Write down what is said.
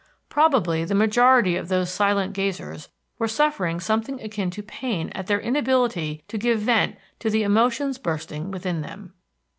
Probably the majority of those silent gazers were suffering something akin to pain at their inability to give vent to the emotions bursting within them.